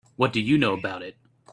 What do you know about it?